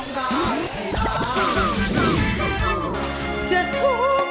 คือร้องกาให้ตามจะทำให้ต้อง